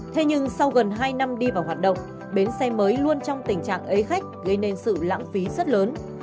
thế nhưng sau gần hai năm đi vào hoạt động bến xe mới luôn trong tình trạng ấy khách gây nên sự lãng phí rất lớn